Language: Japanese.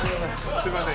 すみません